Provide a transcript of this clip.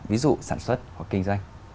ví dụ sản xuất hoặc kinh doanh